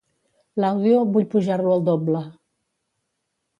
L'àudio, vull pujar-lo al doble.